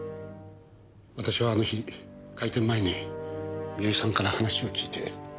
私はあの日開店前に三好さんから話を聞いて。